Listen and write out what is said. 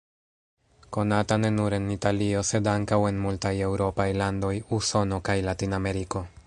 Konata ne nur en Italio sed ankaŭ en multaj eŭropaj landoj, Usono kaj Latinameriko.